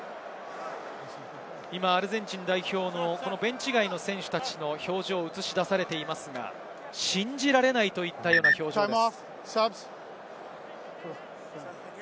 アルゼンチン代表のベンチ外の選手たちの表情を映し出されていますが、信じられないといったような表情です。